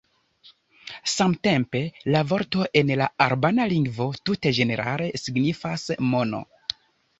Samtempe la vorto en la albana lingvo tute ĝenerale signifas "mono".